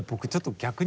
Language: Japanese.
逆に。